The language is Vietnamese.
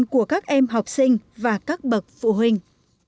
của các em học sinh và các bậc phụ huynh